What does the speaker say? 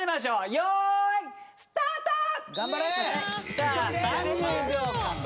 さあ３０秒間。